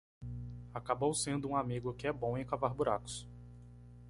Acabou sendo um amigo que é bom em cavar buracos.